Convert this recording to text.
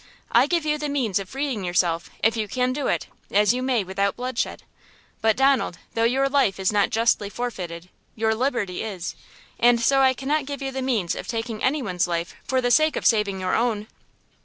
I give you the means of freeing yourself, if you can do it, as you may, without bloodshed! But, Donald, though your life is not justly forfeited, your liberty is, and so I cannot give you the means of taking any one's life for the sake of saving your own!"